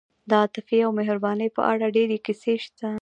د عاطفې او مهربانۍ په اړه ډېرې کیسې شته.